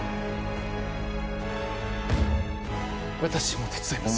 私も手伝います